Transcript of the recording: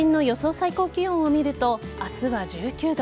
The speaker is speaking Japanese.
最高気温を見ると明日は１９度。